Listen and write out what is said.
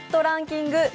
ランキング。